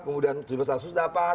kemudian tujuh belas asus dapat